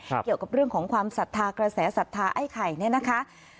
เกี่ยวกับเรื่องของความศรัทธากระแสศรัทธาไอ้ไข่เนี่ยนะคะ